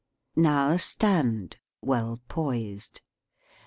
Now stand, well poised.